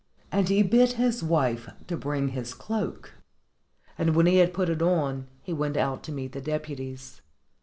and he bade his wife to bring his cloak; and when he had put it on, he went out to meet the deputies.